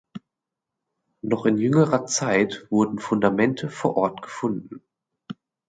Noch in jüngerer Zeit wurden Fundamente vor Ort gefunden.